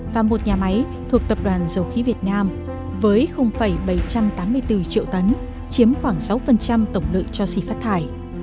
và một nhà máy thuộc tập đoàn dầu khí việt nam với bảy trăm tám mươi bốn triệu tấn chiếm khoảng sáu tổng lượng cho xỉ phát thải